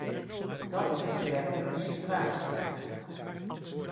Dat is de werkelijke situatie.